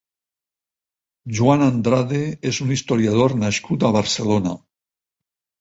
Juan Andrade és un historiador nascut a Barcelona.